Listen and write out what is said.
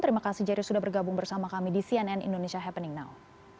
terima kasih jerry sudah bergabung bersama kami di cnn indonesia happening now